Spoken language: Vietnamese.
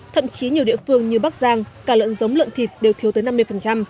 thậm chí nhiều địa phương như bắc giang cả lợn giống lợn thịt đều thiếu tới năm mươi